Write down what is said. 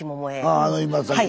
あああの今さっき。